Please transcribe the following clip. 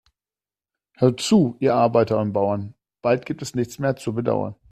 Hört zu, ihr Arbeiter und Bauern, bald gibt es nichts mehr zu bedauern.